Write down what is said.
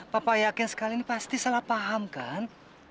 papa yakin sekali ini pasti salah paham kan